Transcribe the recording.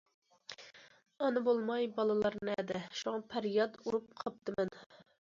ئانا بولماي بالىلار نەدە، شۇڭا، پەرياد ئۇرۇپ قاپتىمەن.